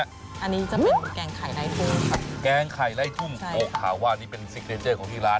อันนี้จะเป็นแกงไข่ไร่ทุ่มครับแกงไข่ไร่ทุ่มโอเคครับว่านี่เป็นซิกเนเจอร์ของที่ร้าน